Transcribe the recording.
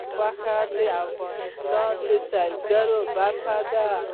غوښې د افغانستان د سیلګرۍ برخه ده.